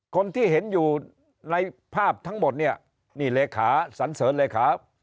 คนที่เห็นอยู่ในภาพทั้งหมดเนี่ยนี่เลขาสันเสริญเลขา